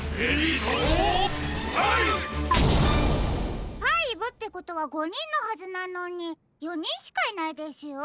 ５ってことは５にんのはずなのに４にんしかいないですよ。